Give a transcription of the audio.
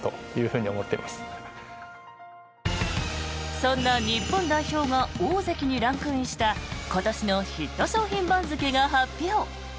そんな日本代表が大関にランクインした今年のヒット商品番付が発表。